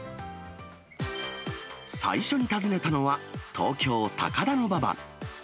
最初に訪ねたのは、東京・高田馬場。